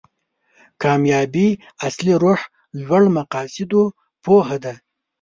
کامیابي اصلي روح لوړ مقاصدو پوهه ده.